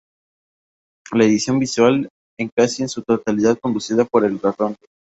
La edición visual es casi en su totalidad conducida por el ratón.